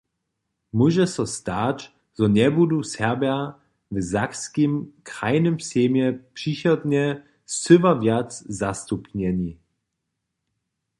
Móže so stać, zo njebudu Serbja w Sakskim krajnym sejmje přichodnje scyła wjace zastupjeni.